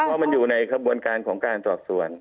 เพราะว่ามันอยู่ในกรบวนการของการทรัพย์ส่วน